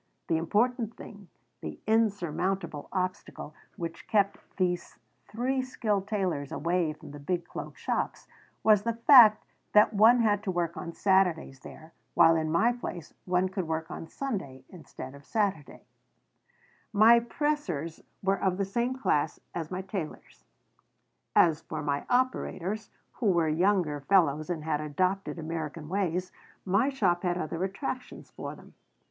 The important thing, the insurmountable obstacle which kept these three skilled tailors away from the big cloak shops, was the fact that one had to work on Saturdays there, while in my place one could work on Sunday instead of Saturday My pressers were of the same class as my tailors. As for my operators, who were younger fellows and had adopted American ways, my shop had other attractions for them.